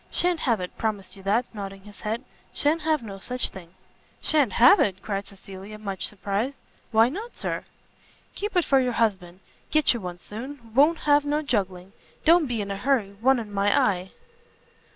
Sha'n't have it, promise you that," nodding his head, "shan't have no such thing!" "Sha'n't have it?" cried Cecilia, much surprised, "why not, Sir?" "Keep it for your husband; get you one soon: won't have no juggling. Don't be in a hurry; one in my eye."